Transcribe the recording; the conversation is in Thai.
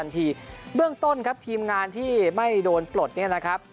เบื้องต้นครับทีมงานที่ไม่โดนปลดเนี่ยนะครับ